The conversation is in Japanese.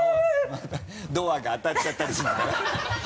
ドアが当たっちゃったりしながら。